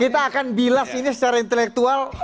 dan bilas ini secara intelektual